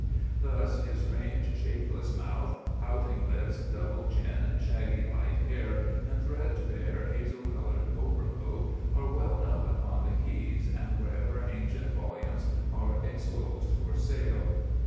Thus his strange, shapeless mouth, pouting lips, double chin, shaggy light hair, and threadbare, hazel colored overcoat, are well known upon the quays and wherever ancient volumes are exposed for sale.